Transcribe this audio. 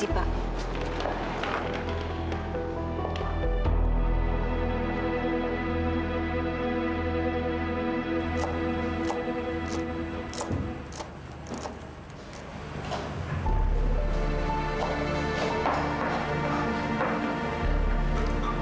oleh karyawan sendiri